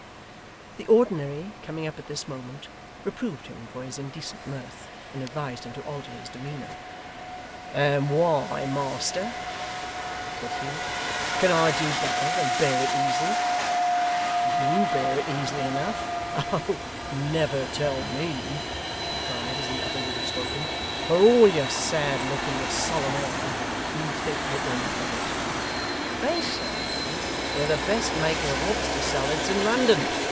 The Ordinary coming up at this moment, reproved him for his indecent mirth, and advised him to alter his demeanour. 'And why, master?' said Hugh. 'Can I do better than bear it easily? YOU bear it easily enough. Oh! never tell me,' he cried, as the other would have spoken, 'for all your sad look and your solemn air, you think little enough of it! They say you're the best maker of lobster salads in London.